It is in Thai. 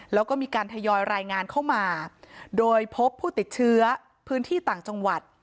แล้วก็มีการทยอยรายงานเข้ามาโดยพบผู้ติดเชื้อพื้นที่ต่างจังหวัด